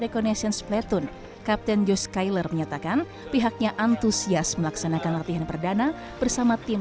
captain kyler menyatakan pihaknya antusias melaksanakan latihan perdana bersama tim